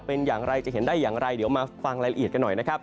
เป็นอย่างไรจะเห็นได้อย่างไรเดี๋ยวมาฟังรายละเอียดกันหน่อยนะครับ